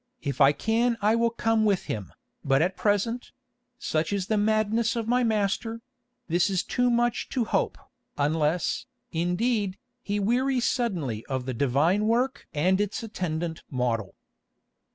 If I can I will come with him, but at present—such is the madness of my master—this is too much to hope, unless, indeed, he wearies suddenly of the 'Divine Work' and its attendant 'Model.